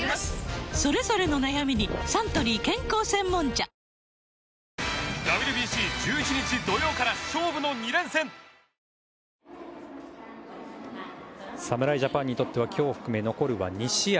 それぞれの悩みにサントリー健康専門茶侍ジャパンにとっては今日を含め残るは２試合。